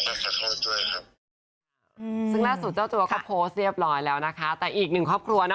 และเป็นตัวโพสต์เรียบร้อยแล้วนะครับแต่อีกหนึ่งครอบครัวน่ะ